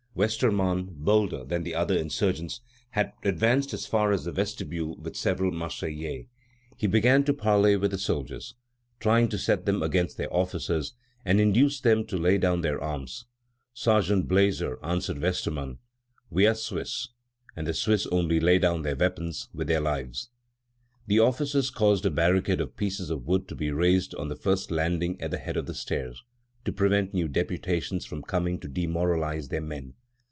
Westermann, bolder than the other insurgents, had advanced as far as the vestibule with several Marseillais. He began to parley with the soldiers, trying to set them against their officers and induce them to lay down their arms. Sergeant Blazer answered Westermann: "We are Swiss, and the Swiss only lay down their weapons with their lives." The officers caused a barricade of pieces of wood to be raised on the first landing at the head of the stairs, to prevent new deputations from coming to demoralize their men.